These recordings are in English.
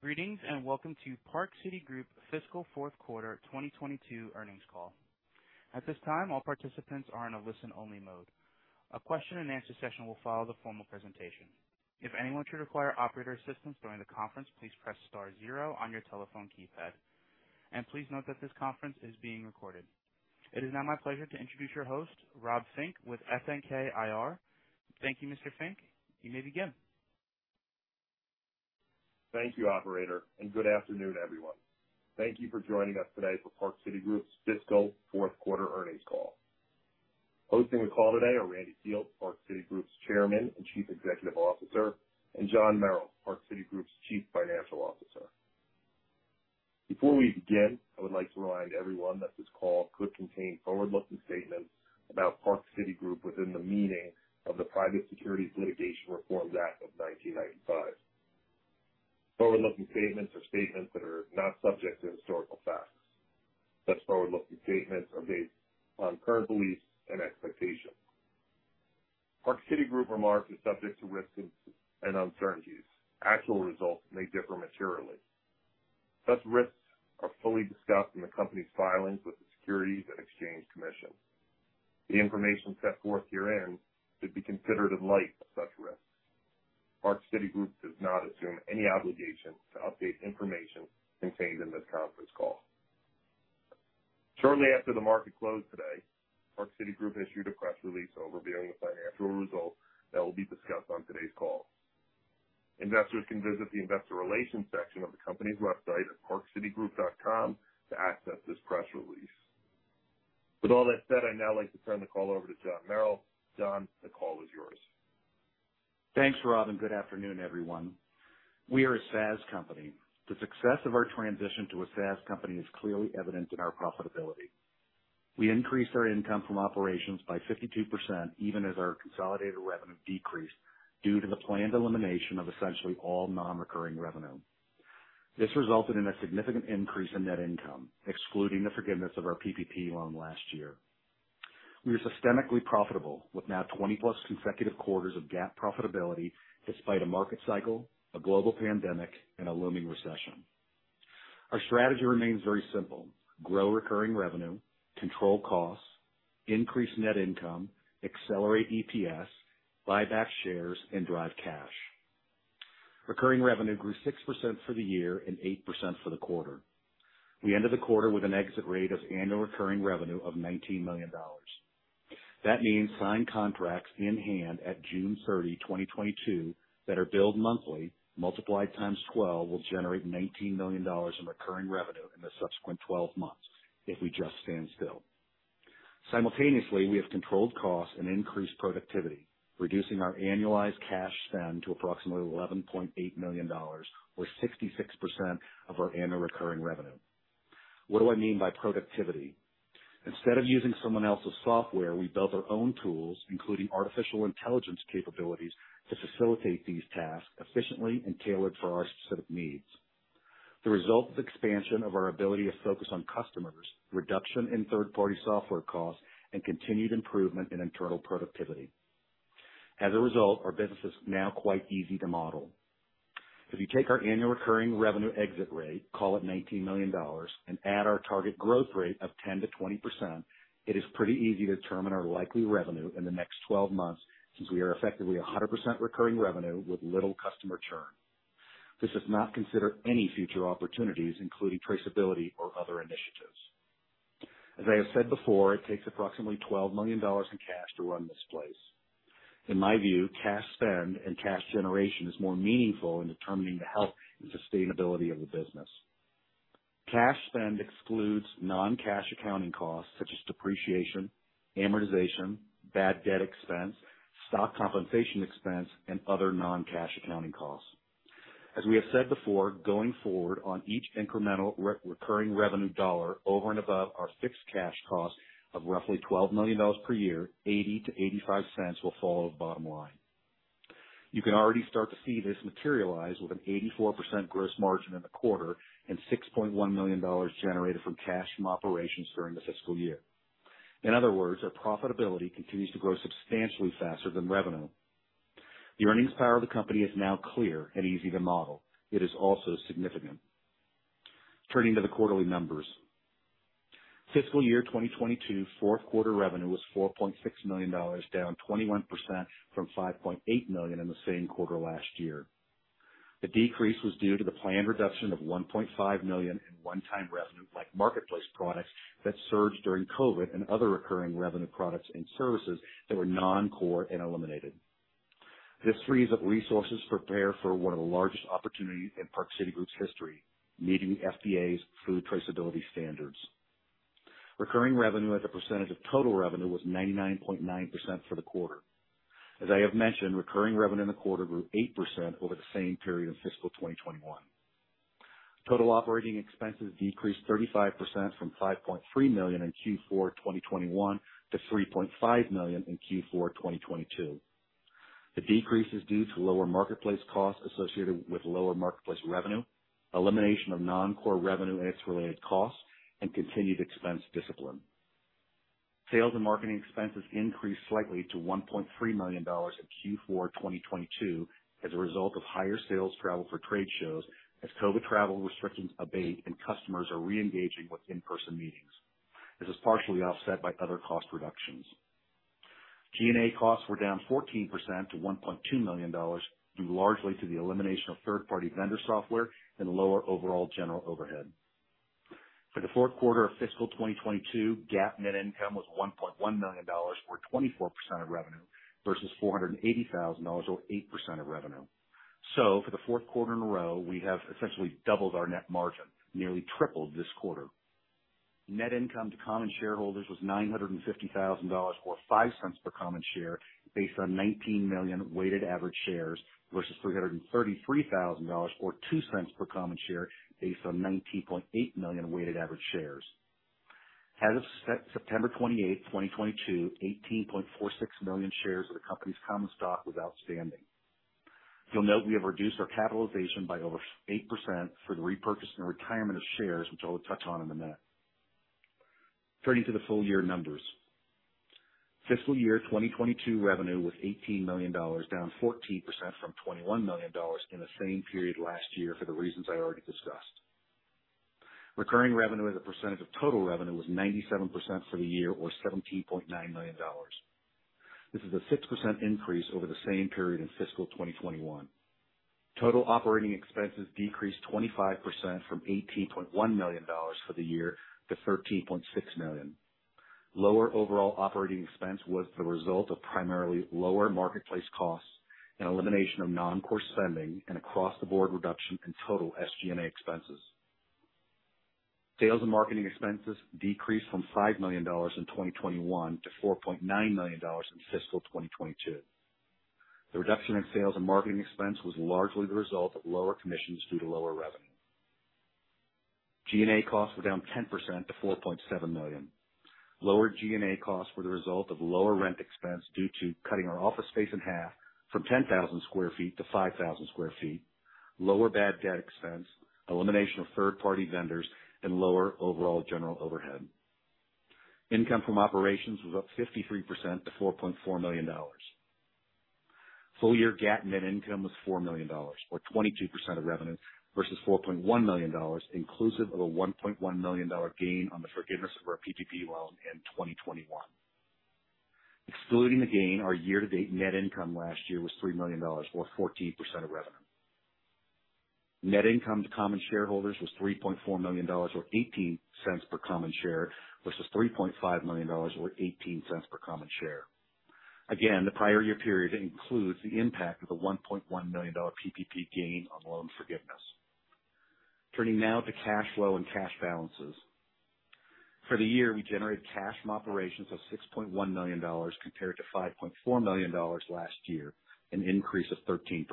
Greetings, and welcome to Park City Group Fiscal Fourth Quarter 2022 Earnings Call. At this time, all participants are in a listen-only mode. A question and answer session will follow the formal presentation. If anyone should require operator assistance during the conference, please press star zero on your telephone keypad. Please note that this conference is being recorded. It is now my pleasure to introduce your host, Rob Fink, with FNK IR. Thank you, Mr. Fink. You may begin. Thank you, operator, and good afternoon, everyone. Thank you for joining us today for Park City Group's fiscal fourth quarter earnings call. Hosting the call today are Randy Fields, Park City Group's Chairman and Chief Executive Officer, and John Merrill, Park City Group's Chief Financial Officer. Before we begin, I would like to remind everyone that this call could contain forward-looking statements about Park City Group within the meaning of the Private Securities Litigation Reform Act of 1995. Forward-looking statements are statements that are not subject to historical facts. Thus, forward-looking statements are based on current beliefs and expectations. Park City Group remarks are subject to risks and uncertainties. Actual results may differ materially. Such risks are fully discussed in the company's filings with the Securities and Exchange Commission. The information set forth herein should be considered in light of such risks. Park City Group does not assume any obligation to update information contained in this conference call. Shortly after the market closed today, Park City Group issued a press release overviewing the financial results that will be discussed on today's call. Investors can visit the investor relations section of the company's website at parkcitygroup.com to access this press release. With all that said, I'd now like to turn the call over to John Merrill. John, the call is yours. Thanks, Rob, and good afternoon, everyone. We are a SaaS company. The success of our transition to a SaaS company is clearly evident in our profitability. We increased our income from operations by 52%, even as our consolidated revenue decreased due to the planned elimination of essentially all non-recurring revenue. This resulted in a significant increase in net income, excluding the forgiveness of our PPP loan last year. We are systemically profitable, with now 20+ consecutive quarters of GAAP profitability despite a market cycle, a global pandemic, and a looming recession. Our strategy remains very simple. Grow recurring revenue, control costs, increase net income, accelerate EPS, buy back shares, and drive cash. Recurring revenue grew 6% for the year and 8% for the quarter. We ended the quarter with an exit rate of annual recurring revenue of $19 million. That means signed contracts in hand at June 30, 2022, that are billed monthly, multiplied times 12, will generate $19 million in recurring revenue in the subsequent 12 months if we just stand still. Simultaneously, we have controlled costs and increased productivity, reducing our annualized cash spend to approximately $11.8 million, or 66% of our annual recurring revenue. What do I mean by productivity? Instead of using someone else's software, we built our own tools, including artificial intelligence capabilities, to facilitate these tasks efficiently and tailored for our specific needs. The result is expansion of our ability to focus on customers, reduction in third-party software costs, and continued improvement in internal productivity. As a result, our business is now quite easy to model. If you take our annual recurring revenue exit rate, call it $19 million, and add our target growth rate of 10%-20%, it is pretty easy to determine our likely revenue in the next 12 months, since we are effectively 100% recurring revenue with little customer churn. This does not consider any future opportunities, including traceability or other initiatives. As I have said before, it takes approximately $12 million in cash to run this place. In my view, cash spend and cash generation is more meaningful in determining the health and sustainability of the business. Cash spend excludes non-cash accounting costs such as depreciation, amortization, bad debt expense, stock compensation expense, and other non-cash accounting costs. As we have said before, going forward on each incremental recurring revenue dollar over and above our fixed cash cost of roughly $12 million per year, $0.80-$0.85 will fall to the bottom line. You can already start to see this materialize with an 84% gross margin in the quarter and $6.1 million generated from cash from operations during the fiscal year. In other words, our profitability continues to grow substantially faster than revenue. The earnings power of the company is now clear and easy to model. It is also significant. Turning to the quarterly numbers. Fiscal year 2022 fourth quarter revenue was $4.6 million, down 21% from $5.8 million in the same quarter last year. The decrease was due to the planned reduction of $1.5 million in one-time revenue like marketplace products that surged during COVID and other recurring revenue products and services that were non-core and eliminated. This frees up resources to prepare for one of the largest opportunities in Park City Group's history, meeting FDA's food traceability standards. Recurring revenue as a percentage of total revenue was 99.9% for the quarter. As I have mentioned, recurring revenue in the quarter grew 8% over the same period in fiscal 2021. Total operating expenses decreased 35% from $5.3 million in Q4 2021 to $3.5 million in Q4 2022. The decrease is due to lower marketplace costs associated with lower marketplace revenue, elimination of non-core revenue and its related costs, and continued expense discipline. Sales and marketing expenses increased slightly to $1.3 million in Q4 2022 as a result of higher sales travel for trade shows as COVID travel restrictions abate and customers are re-engaging with in-person meetings. This is partially offset by other cost reductions. G&A costs were down 14% to $1.2 million, due largely to the elimination of third-party vendor software and lower overall general overhead. For the fourth quarter of fiscal 2022, GAAP net income was $1.1 million or 24% of revenue versus $480,000 or 8% of revenue. For the fourth quarter in a row, we have essentially doubled our net margin, nearly tripled this quarter. Net income to common shareholders was $950,000 or $0.05 per common share based on 19 million weighted average shares versus $333,000 or $0.02 per common share based on 19.8 million weighted average shares. As of September 28, 2022, 18.46 million shares of the company's common stock was outstanding. You'll note we have reduced our capitalization by over 8% for the repurchase and retirement of shares, which I'll touch on in a minute. Turning to the full year numbers. Fiscal year 2022 revenue was $18 million, down 14% from $21 million in the same period last year for the reasons I already discussed. Recurring revenue as a percentage of total revenue was 97% for the year or $17.9 million. This is a 6% increase over the same period in fiscal 2021. Total operating expenses decreased 25% from $18.1 million for the year to $13.6 million. Lower overall operating expense was the result of primarily lower marketplace costs and elimination of non-core spending and across-the-board reduction in total SG&A expenses. Sales and marketing expenses decreased from $5 million in 2021 to $4.9 million in fiscal 2022. The reduction in sales and marketing expense was largely the result of lower commissions due to lower revenue. G&A costs were down 10% to $4.7 million. Lower G&A costs were the result of lower rent expense due to cutting our office space in half from 10,000 sq ft to 5,000 sq ft, lower bad debt expense, elimination of third-party vendors, and lower overall general overhead. Income from operations was up 53% to $4.4 million. Full year GAAP net income was $4 million, or 22% of revenue versus $4.1 million, inclusive of a $1.1 million gain on the forgiveness of our PPP loan in 2021. Excluding the gain, our year-to-date net income last year was $3 million, or 14% of revenue. Net income to common shareholders was $3.4 million, or $0.18 per common share, versus $3.5 million or $0.18 per common share. Again, the prior year period includes the impact of the $1.1 million PPP gain on loan forgiveness. Turning now to cash flow and cash balances. For the year, we generated cash from operations of $6.1 million compared to $5.4 million last year, an increase of 13%.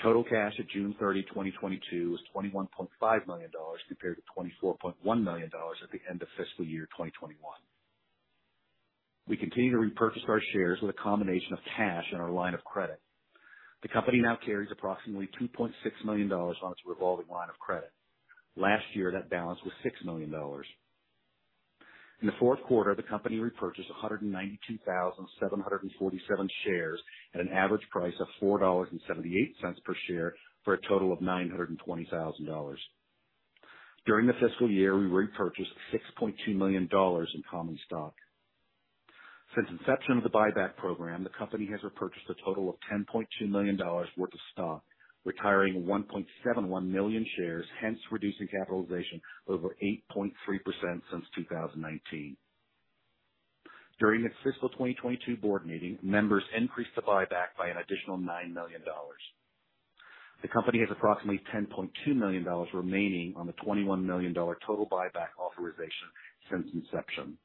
Total cash at June 30, 2022 was $21.5 million compared to $24.1 million at the end of fiscal year 2021. We continue to repurchase our shares with a combination of cash and our line of credit. The company now carries approximately $2.6 million on its revolving line of credit. Last year, that balance was $6 million. In the fourth quarter, the company repurchased 192,747 shares at an average price of $4.78 per share for a total of $920,000. During the fiscal year, we repurchased $6.2 million in common stock. Since inception of the buyback program, the company has repurchased a total of $10.2 million worth of stock, retiring 1.71 million shares, hence reducing capitalization over 8.3% since 2019. During the fiscal 2022 board meeting, members increased the buyback by an additional $9 million. The company has approximately $10.2 million remaining on the $21 million total buyback authorization since inception.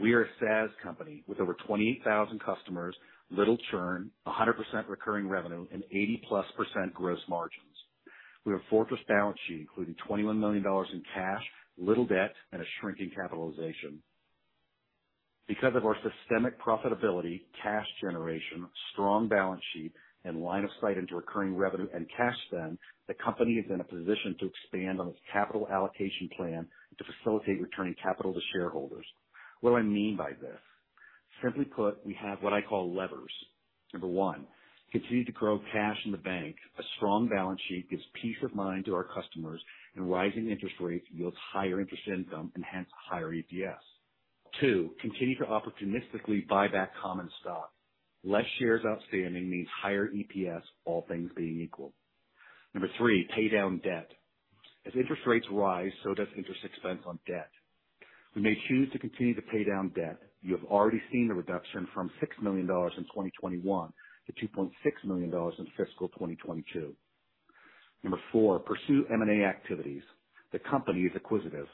We are a SaaS company with over 28,000 customers, little churn, 100% recurring revenue, and 80%+ gross margins. We have a fortress balance sheet, including $21 million in cash, little debt, and a shrinking capitalization. Because of our systemic profitability, cash generation, strong balance sheet, and line of sight into recurring revenue and cash spend, the company is in a position to expand on its capital allocation plan to facilitate returning capital to shareholders. What do I mean by this? Simply put, we have what I call levers. Number one, continue to grow cash in the bank. A strong balance sheet gives peace of mind to our customers, and rising interest rates yields higher interest income and hence higher EPS. Two, continue to opportunistically buy back common stock. Less shares outstanding means higher EPS, all things being equal. Number three, pay down debt. As interest rates rise, so does interest expense on debt. We may choose to continue to pay down debt. You have already seen the reduction from $6 million in 2021 to $2.6 million in fiscal 2022. Number four, pursue M&A activities. The company is acquisitive.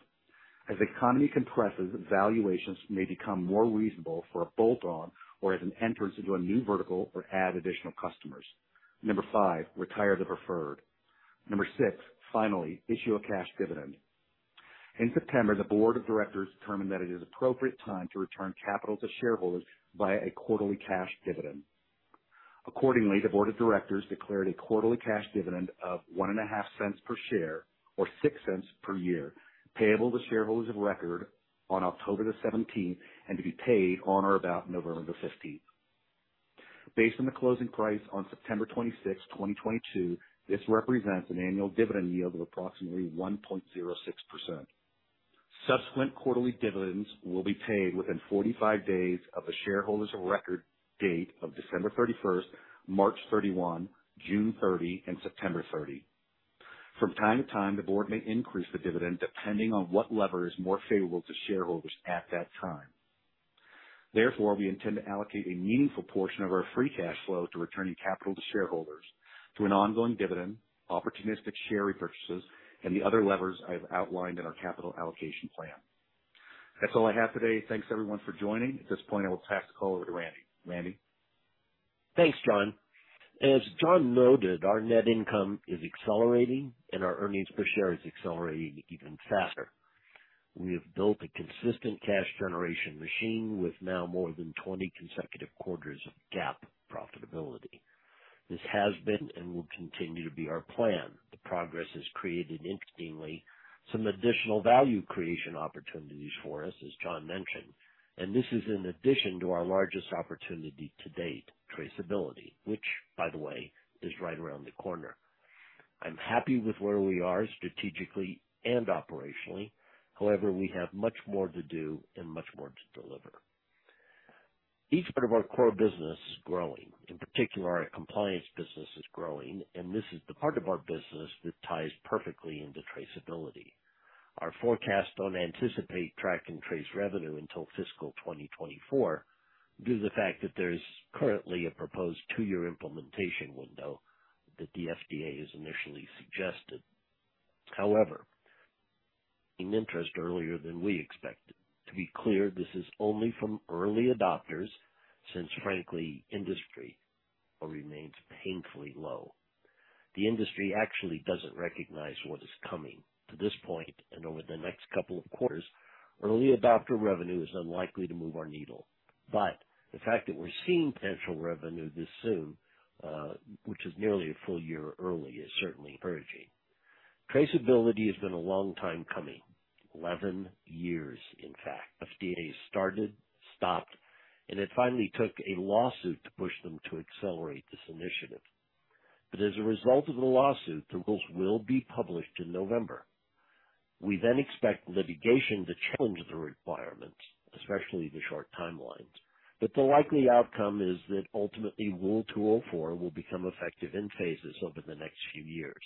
As the economy compresses, valuations may become more reasonable for a bolt-on or as an entrance into a new vertical or add additional customers. Number five, retire the preferred. Number six, finally, issue a cash dividend. In September, the board of directors determined that it is appropriate time to return capital to shareholders via a quarterly cash dividend. Accordingly, the board of directors declared a quarterly cash dividend of $0.015 per share, or $0.06 per year, payable to shareholders of record on October the 17th, and to be paid on or about November the 15th. Based on the closing price on September 26, 2022, this represents an annual dividend yield of approximately 1.06%. Subsequent quarterly dividends will be paid within 45 days of the shareholders record date of December 31st, March 31, June 30, and September 30. From time to time, the board may increase the dividend depending on what lever is more favorable to shareholders at that time. Therefore, we intend to allocate a meaningful portion of our free cash flow to returning capital to shareholders through an ongoing dividend, opportunistic share repurchases, and the other levers I've outlined in our capital allocation plan. That's all I have today. Thanks, everyone, for joining. At this point, I will pass the call over to Randy. Randy? Thanks, John. As John noted, our net income is accelerating and our earnings per share is accelerating even faster. We have built a consistent cash generation machine with now more than 20 consecutive quarters of GAAP profitability. This has been and will continue to be our plan. The progress has created, interestingly, some additional value creation opportunities for us, as John mentioned, and this is in addition to our largest opportunity to date, traceability, which, by the way, is right around the corner. I'm happy with where we are strategically and operationally. However, we have much more to do and much more to deliver. Each part of our core business is growing. In particular, our compliance business is growing, and this is the part of our business that ties perfectly into traceability. Our forecasts don't anticipate track and trace revenue until fiscal 2024 due to the fact that there's currently a proposed two-year implementation window that the FDA has initially suggested. However, interest earlier than we expected. To be clear, this is only from early adopters since, frankly, industry remains painfully low. The industry actually doesn't recognize what is coming. To this point, and over the next couple of quarters, early adopter revenue is unlikely to move our needle. The fact that we're seeing potential revenue this soon, which is nearly a full year early, is certainly encouraging. Traceability has been a long time coming. 11 years, in fact. FDA started, stopped, and it finally took a lawsuit to push them to accelerate this initiative. As a result of the lawsuit, the rules will be published in November. We then expect litigation to challenge the requirements, especially the short timelines. The likely outcome is that ultimately, Rule 204 will become effective in phases over the next few years.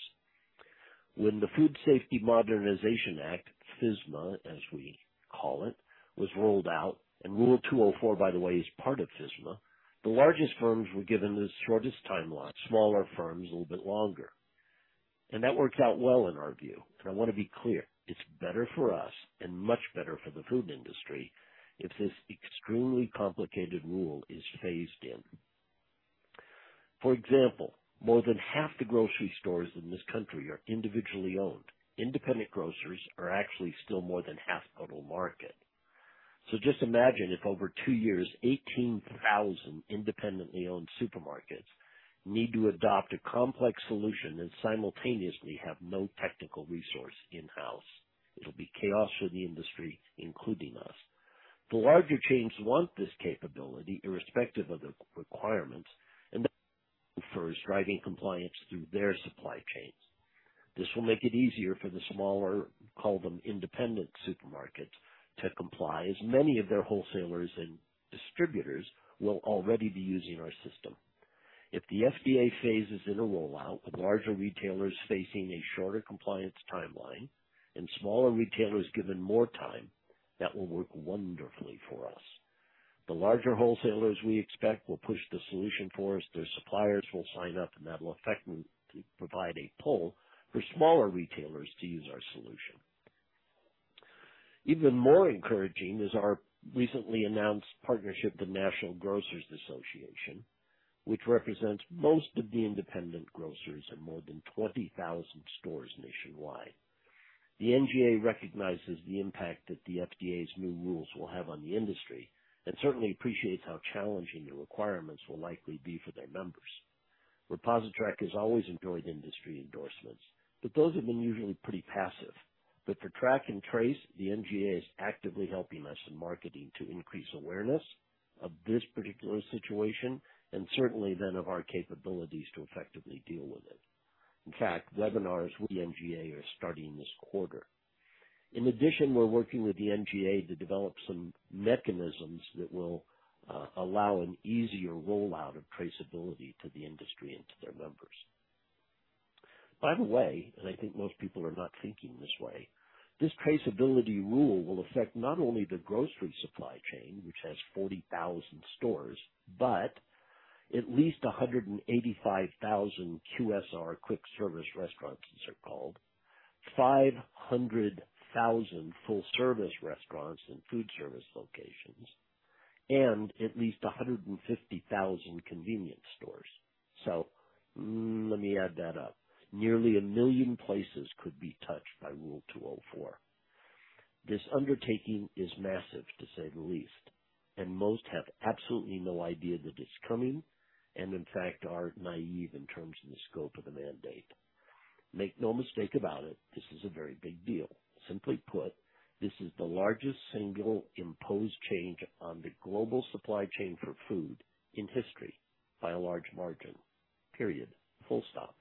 When the Food Safety Modernization Act, FSMA, as we call it, was rolled out, and Rule 204, by the way, is part of FSMA, the largest firms were given the shortest timeline, smaller firms a little bit longer. That worked out well in our view. I wanna be clear, it's better for us and much better for the food industry if this extremely complicated rule is phased in. For example, more than half the grocery stores in this country are individually owned. Independent grocers are actually still more than half the total market. Just imagine if over two years, 18,000 independently owned supermarkets need to adopt a complex solution and simultaneously have no technical resource in-house. It'll be chaos for the industry, including us. The larger chains want this capability, irrespective of the requirements, and that prefers driving compliance through their supply chains. This will make it easier for the smaller, call them independent supermarkets, to comply, as many of their wholesalers and distributors will already be using our system. If the FDA phases in a rollout, with larger retailers facing a shorter compliance timeline and smaller retailers given more time, that will work wonderfully for us. The larger wholesalers, we expect, will push the solution for us. Their suppliers will sign up, and that will effectively provide a pull for smaller retailers to use our solution. Even more encouraging is our recently announced partnership with National Grocers Association, which represents most of the independent grocers in more than 20,000 stores nationwide. The NGA recognizes the impact that the FDA's new rules will have on the industry and certainly appreciates how challenging the requirements will likely be for their numbers. ReposiTrak has always enjoyed industry endorsements, but those have been usually pretty passive. For track and trace, the NGA is actively helping us in marketing to increase awareness of this particular situation and certainly then of our capabilities to effectively deal with it. In fact, webinars with the NGA are starting this quarter. In addition, we're working with the NGA to develop some mechanisms that will allow an easier rollout of traceability to the industry and to their members. By the way, I think most people are not thinking this way, this traceability rule will affect not only the grocery supply chain, which has 40,000 stores, but at least 185,000 QSR, quick service restaurants, as they're called, 500,000 full-service restaurants and food service locations, and at least 150,000 convenience stores. Let me add that up. Nearly a million places could be touched by Rule 204. This undertaking is massive, to say the least, and most have absolutely no idea that it's coming, and in fact, are naive in terms of the scope of the mandate. Make no mistake about it, this is a very big deal. Simply put, this is the largest single imposed change on the global supply chain for food in history by a large margin. Period. Full stop.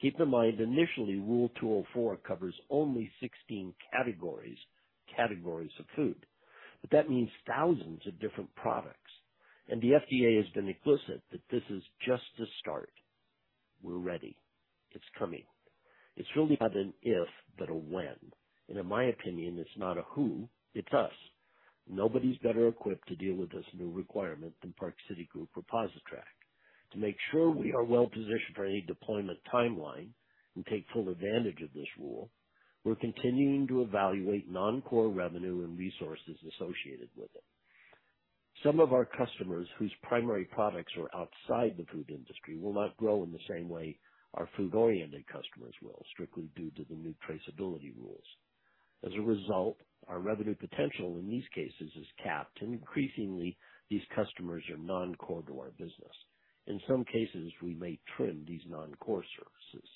Keep in mind, initially, Rule 204 covers only 16 categories of food. That means thousands of different products. The FDA has been explicit that this is just the start. We're ready. It's coming. It's really not an if, but a when. In my opinion, it's not a who, it's us. Nobody's better equipped to deal with this new requirement than Park City Group or ReposiTrak. To make sure we are well-positioned for any deployment timeline and take full advantage of this rule, we're continuing to evaluate non-core revenue and resources associated with it. Some of our customers whose primary products are outside the food industry will not grow in the same way our food-oriented customers will, strictly due to the new traceability rules. As a result, our revenue potential in these cases is capped, and increasingly, these customers are non-core to our business. In some cases, we may trim these non-core services.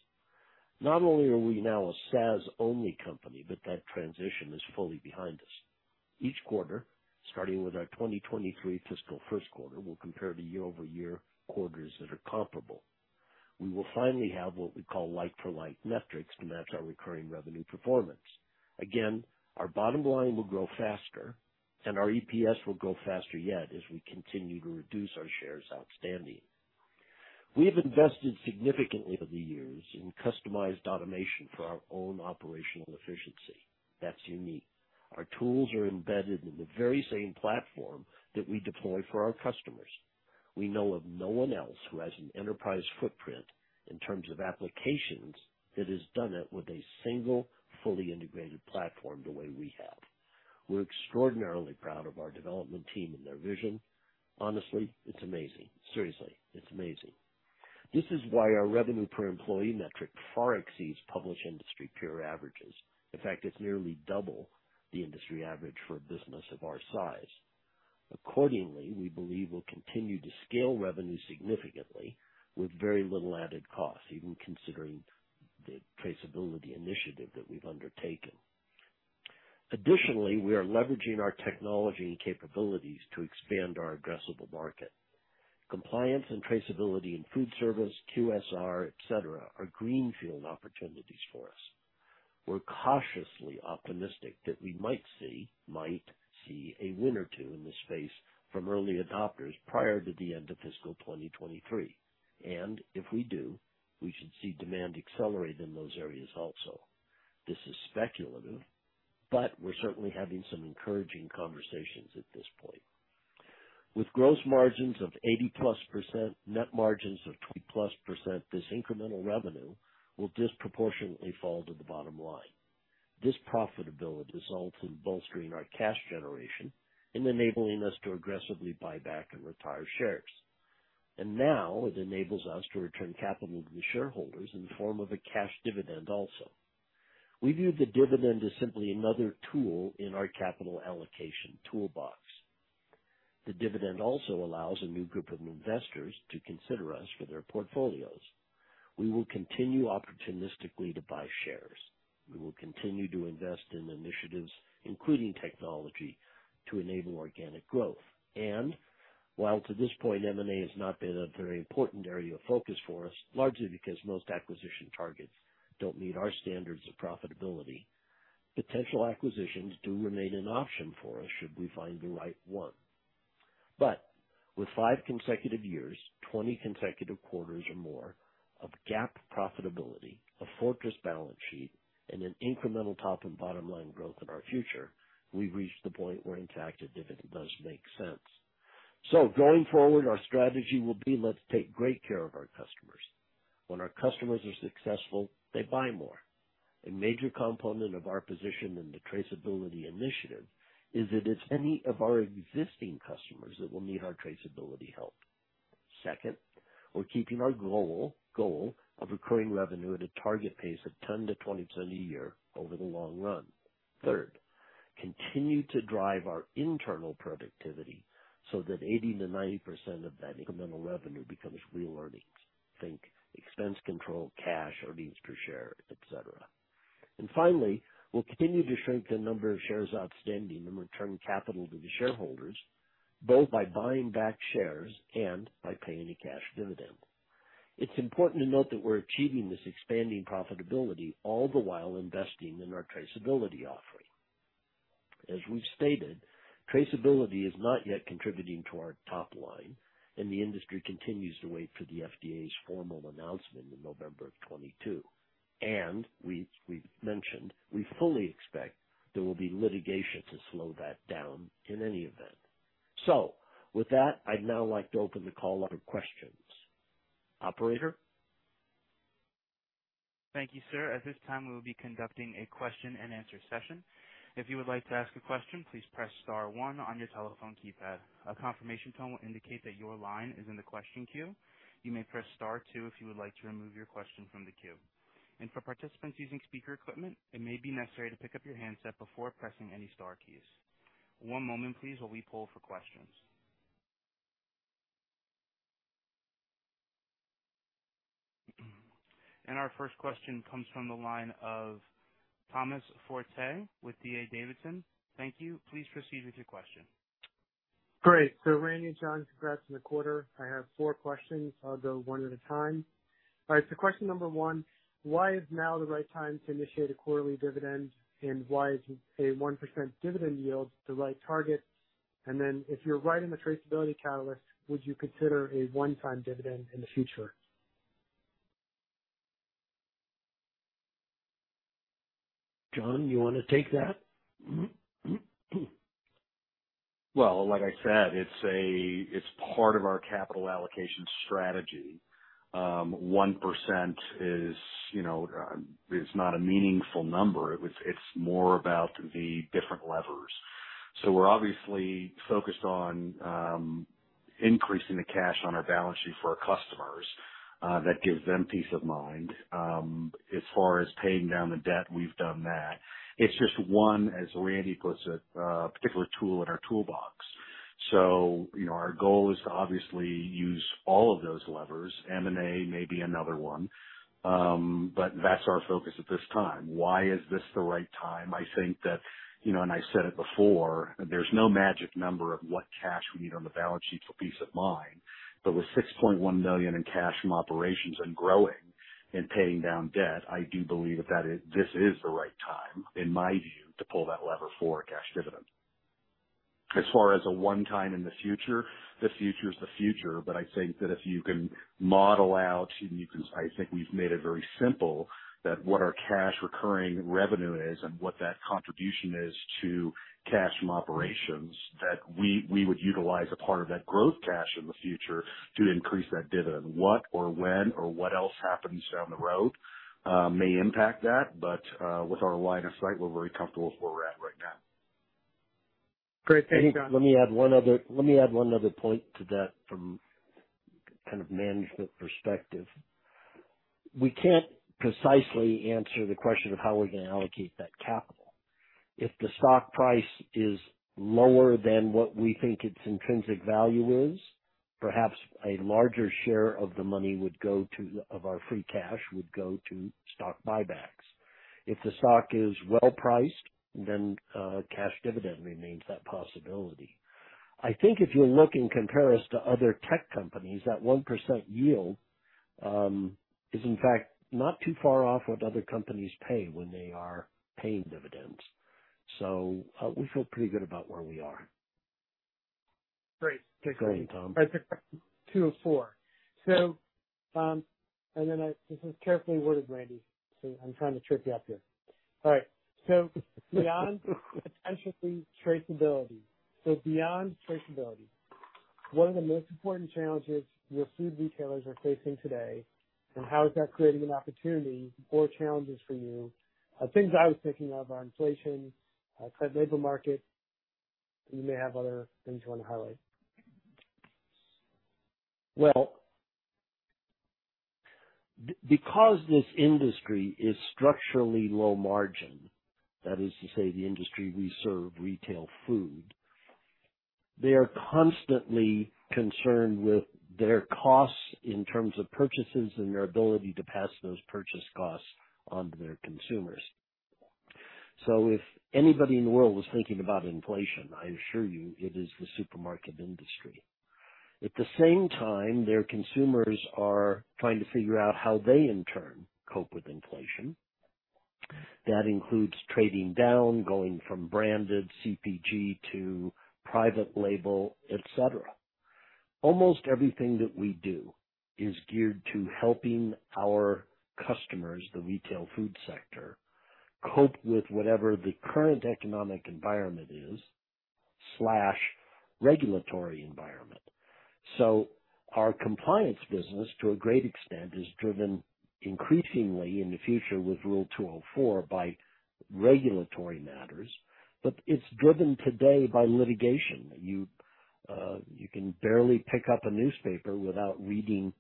Not only are we now a SaaS-only company, but that transition is fully behind us. Each quarter, starting with our 2023 fiscal first quarter, we'll compare to year-over-year quarters that are comparable. We will finally have what we call like-for-like metrics to match our recurring revenue performance. Again, our bottom line will grow faster, and our EPS will grow faster yet as we continue to reduce our shares outstanding. We have invested significantly over the years in customized automation for our own operational efficiency. That's unique. Our tools are embedded in the very same platform that we deploy for our customers. We know of no one else who has an enterprise footprint in terms of applications that has done it with a single, fully integrated platform the way we have. We're extraordinarily proud of our development team and their vision. Honestly, it's amazing. Seriously, it's amazing. This is why our revenue per employee metric far exceeds published industry peer averages. In fact, it's nearly double the industry average for a business of our size. Accordingly, we believe we'll continue to scale revenue significantly with very little added cost, even considering the traceability initiative that we've undertaken. Additionally, we are leveraging our technology and capabilities to expand our addressable market. Compliance and traceability in food service, QSR, et cetera, are greenfield opportunities for us. We're cautiously optimistic that we might see a win or two in this space from early adopters prior to the end of fiscal 2023. If we do, we should see demand accelerate in those areas also. This is speculative, but we're certainly having some encouraging conversations at this point. With gross margins of 80%+, net margins of 20%+, this incremental revenue will disproportionately fall to the bottom line. This profitability results in bolstering our cash generation and enabling us to aggressively buy back and retire shares. Now it enables us to return capital to the shareholders in the form of a cash dividend also. We view the dividend as simply another tool in our capital allocation toolbox. The dividend also allows a new group of investors to consider us for their portfolios. We will continue opportunistically to buy shares. We will continue to invest in initiatives, including technology, to enable organic growth. While to this point, M&A has not been a very important area of focus for us, largely because most acquisition targets don't meet our standards of profitability, potential acquisitions do remain an option for us should we find the right one. With five consecutive years, 20 consecutive quarters or more of GAAP profitability, a fortress balance sheet, and an incremental top and bottom line growth in our future, we've reached the point where in fact, a dividend does make sense. Going forward, our strategy will be, let's take great care of our customers. When our customers are successful, they buy more. A major component of our position in the traceability initiative is that it's any of our existing customers that will need our traceability help. Second, we're keeping our goal of recurring revenue at a target pace of 10%-20% a year over the long run. Third, continue to drive our internal productivity so that 80%-90% of that incremental revenue becomes real earnings. Think expense control, cash earnings per share, et cetera. Finally, we'll continue to shrink the number of shares outstanding and return capital to the shareholders, both by buying back shares and by paying a cash dividend. It's important to note that we're achieving this expanding profitability all the while investing in our traceability offering. As we've stated, traceability is not yet contributing to our top line, and the industry continues to wait for the FDA's formal announcement in November of 2022. We've mentioned, we fully expect there will be litigation to slow that down in any event. With that, I'd now like to open the call up for questions. Operator? Thank you, sir. At this time, we will be conducting a question and answer session. If you would like to ask a question, please press star one on your telephone keypad. A confirmation tone will indicate that your line is in the question queue. You may press star two if you would like to remove your question from the queue. For participants using speaker equipment, it may be necessary to pick up your handset before pressing any star keys. One moment, please, while we poll for questions. Our first question comes from the line of Thomas Forte with D.A. Davidson. Thank you. Please proceed with your question. Great. Randy and John, congrats on the quarter. I have four questions. I'll go one at a time. All right, question number one, why is now the right time to initiate a quarterly dividend, and why is a 1% dividend yield the right target? If you're right in the traceability catalyst, would you consider a one-time dividend in the future? John, you wanna take that? Well, like I said, it's part of our capital allocation strategy. 1% is, you know, not a meaningful number. It's more about the different levers. We're obviously focused on increasing the cash on our balance sheet for our customers that gives them peace of mind. As far as paying down the debt, we've done that. It's just one, as Randy puts it, a particular tool in our toolbox. You know, our goal is to obviously use all of those levers. M&A may be another one. That's our focus at this time. Why is this the right time? I think that, you know, and I said it before, there's no magic number of what cash we need on the balance sheet for peace of mind. With $6.1 million in cash from operations and growing and paying down debt, I do believe that this is the right time, in my view, to pull that lever for a cash dividend. As far as a one time in the future, the future is the future. I think that we've made it very simple that what our cash recurring revenue is and what that contribution is to cash from operations, that we would utilize a part of that growth cash in the future to increase that dividend. What or when or what else happens down the road may impact that. With our line of sight, we're very comfortable with where we're at right now. Great. Thank you, John. Let me add one other point to that from kind of management perspective. We can't precisely answer the question of how we're gonna allocate that capital. If the stock price is lower than what we think its intrinsic value is, perhaps a larger share of our free cash would go to stock buybacks. If the stock is well priced, then a cash dividend remains that possibility. I think if you look in comparison to other tech companies, that 1% yield is in fact not too far off what other companies pay when they are paying dividends. We feel pretty good about where we are. Great. Go ahead, Tom. Two of four. This is carefully worded, Randy. I'm trying to trip you up here. All right. Beyond traceability, what are the most important challenges your food retailers are facing today? How is that creating an opportunity or challenges for you? Things I was thinking of are inflation, tight labor market. You may have other things you wanna highlight. Well, because this industry is structurally low margin, that is to say, the industry we serve, retail food, they are constantly concerned with their costs in terms of purchases and their ability to pass those purchase costs on to their consumers. If anybody in the world was thinking about inflation, I assure you it is the supermarket industry. At the same time, their consumers are trying to figure out how they in turn cope with inflation. That includes trading down, going from branded CPG to private label, et cetera. Almost everything that we do is geared to helping our customers, the retail food sector, cope with whatever the current economic environment is / regulatory environment. Our compliance business, to a great extent, is driven increasingly in the future with Rule 204 by regulatory matters, but it's driven today by litigation. You can barely pick up a newspaper without reading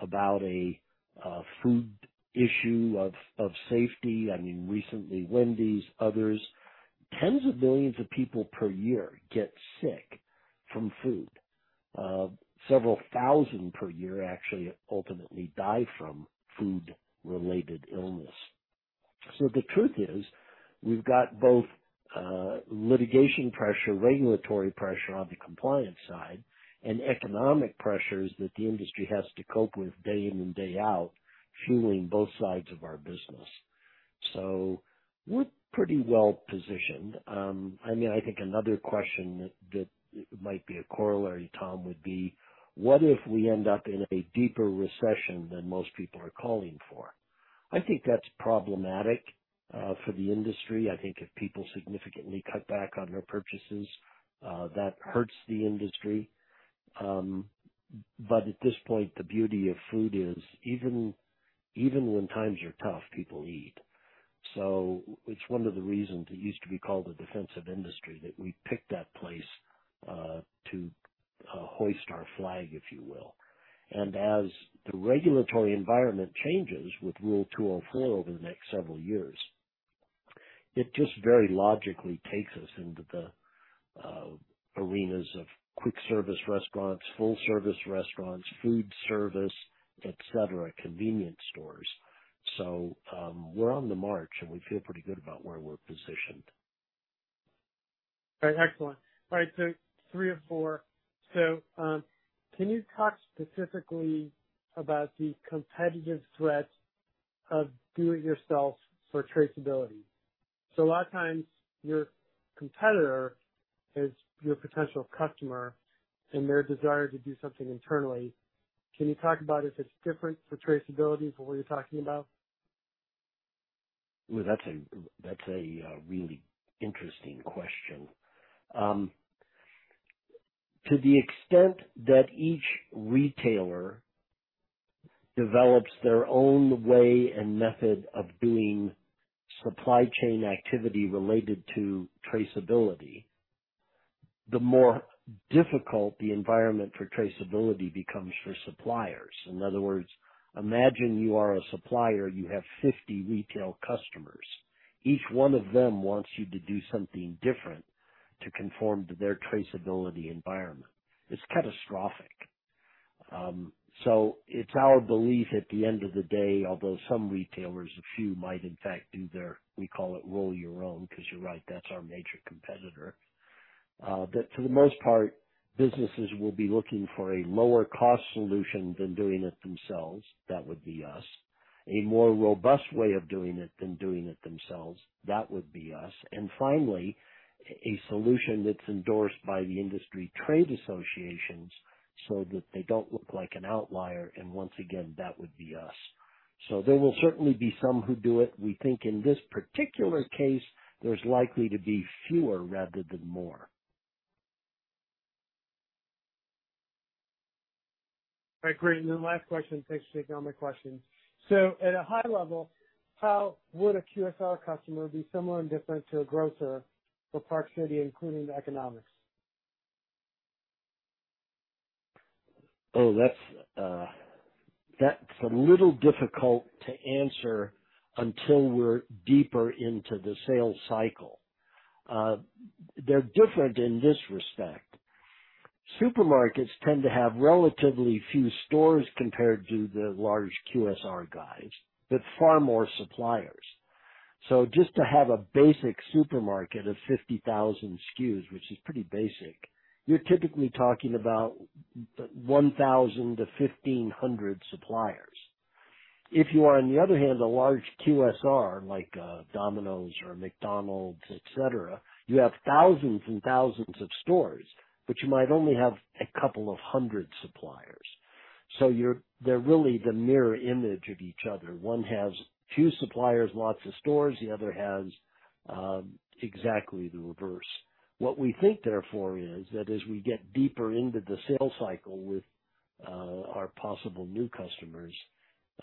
about a food issue of safety. I mean, recently, Wendy's, others, tens of millions of people per year get sick from food. Several thousand per year actually ultimately die from food-related illness. The truth is, we've got both litigation pressure, regulatory pressure on the compliance side, and economic pressures that the industry has to cope with day in and day out, fueling both sides of our business. We're pretty well positioned. I mean, I think another question that might be a corollary, Tom, would be: What if we end up in a deeper recession than most people are calling for? I think that's problematic for the industry. I think if people significantly cut back on their purchases, that hurts the industry. At this point, the beauty of food is even when times are tough, people eat. It's one of the reasons it used to be called the defensive industry that we picked that place to hoist our flag, if you will. As the regulatory environment changes with Rule 204 over the next several years, it just very logically takes us into the arenas of quick service restaurants, full service restaurants, food service, et cetera, convenience stores. We're on the march, and we feel pretty good about where we're positioned. All right. Excellent. All right, so three of four. Can you talk specifically about the competitive threat of do it yourself for traceability? A lot of times your competitor is your potential customer and their desire to do something internally. Can you talk about if it's different for traceability from what you're talking about? That's a really interesting question. To the extent that each retailer develops their own way and method of doing supply chain activity related to traceability, the more difficult the environment for traceability becomes for suppliers. In other words, imagine you are a supplier, you have 50 retail customers. Each one of them wants you to do something different to conform to their traceability environment. It's catastrophic. It's our belief at the end of the day, although some retailers, a few might in fact do their, we call it roll your own, because you're right, that's our major competitor, that for the most part, businesses will be looking for a lower cost solution than doing it themselves. That would be us. A more robust way of doing it than doing it themselves. That would be us. Finally, a solution that's endorsed by the industry trade associations so that they don't look like an outlier. Once again, that would be us. There will certainly be some who do it. We think in this particular case, there's likely to be fewer rather than more. All right, great. Last question. Thanks for taking all my questions. At a high level, how would a QSR customer be similar and different to a grocer for Park City, including the economics? That's a little difficult to answer until we're deeper into the sales cycle. They're different in this respect. Supermarkets tend to have relatively few stores compared to the large QSR guys, but far more suppliers. Just to have a basic supermarket of 50,000 SKUs, which is pretty basic, you're typically talking about 1,000-1,500 suppliers. If you are, on the other hand, a large QSR, like a Domino's or McDonald's, et cetera, you have thousands and thousands of stores, but you might only have a couple of hundred suppliers. They're really the mirror image of each other. One has few suppliers, lots of stores. The other has exactly the reverse. What we think, therefore, is that as we get deeper into the sales cycle with our possible new customers,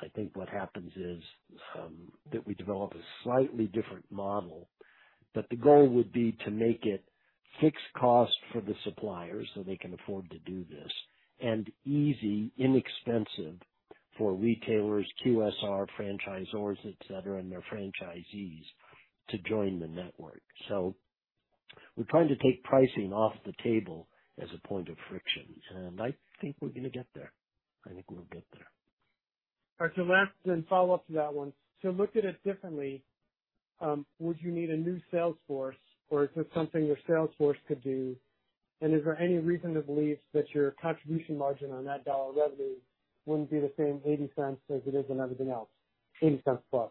I think what happens is that we develop a slightly different model. The goal would be to make it fixed cost for the suppliers, so they can afford to do this. Easy, inexpensive for retailers, QSR, franchisors, et cetera, and their franchisees to join the network. We're trying to take pricing off the table as a point of friction. I think we're gonna get there. I think we'll get there. All right. Follow up to that one. Looking at it differently, would you need a new sales force or is this something your sales force could do? Is there any reason to believe that your contribution margin on that dollar revenue wouldn't be the same $0.80 as it is in everything else? $0.80+.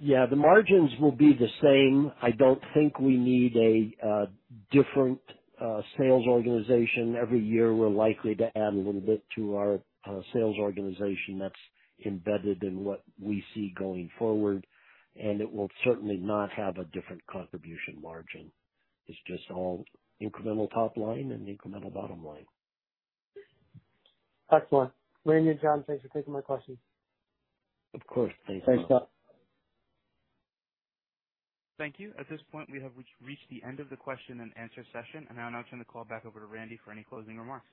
Yeah, the margins will be the same. I don't think we need a different sales organization. Every year we're likely to add a little bit to our sales organization that's embedded in what we see going forward, and it will certainly not have a different contribution margin. It's just all incremental top line and incremental bottom line. Excellent. Randy and John, thanks for taking my questions. Of course. Thanks. Thanks, John. Thank you. At this point, we have reached the end of the question and answer session, and I'll now turn the call back over to Randy for any closing remarks.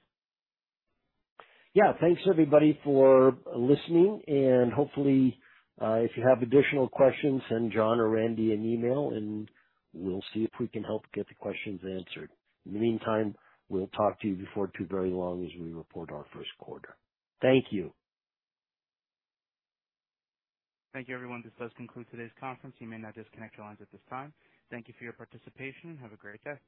Yeah. Thanks, everybody, for listening and hopefully, if you have additional questions, send John or Randy an email, and we'll see if we can help get the questions answered. In the meantime, we'll talk to you before too very long as we report our first quarter. Thank you. Thank you, everyone. This does conclude today's conference. You may now disconnect your lines at this time. Thank you for your participation and have a great day.